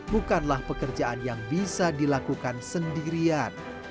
bukanlah pekerjaan yang bisa dilakukan sendirian